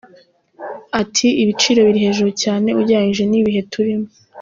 Ati “Ibiciro biri hejuru cyane ugereranyije n’ibihe turimo.